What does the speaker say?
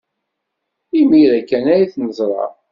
Imir-a kan ay t-neẓra.